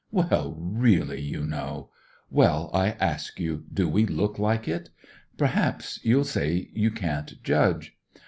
Well, really, you know ! Well, I ask you, do we look like it ? Perhaps you'll say you can't judge.